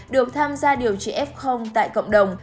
được tham gia điều trị f tại cộng đồng